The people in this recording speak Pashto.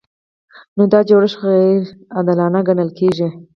نو دا جوړښت غیر عادلانه ګڼل کیږي.